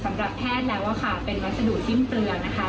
แพทย์แล้วค่ะเป็นวัสดุสิ้นเปลืองนะคะ